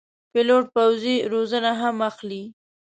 پیلوټ پوځي روزنه هم اخلي.